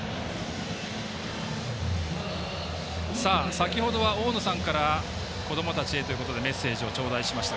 先ほどは大野さんからこどもたちへということでメッセージを頂戴しました。